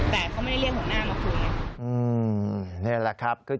แต่เขาไม่ได้เรียกหัวหน้ามาคุยไง